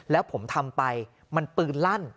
แล้วผมทำไปมันปืนลั่น